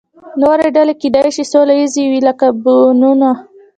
نورې ډلې کیدای شي سوله ییزې وي، لکه بونوبو.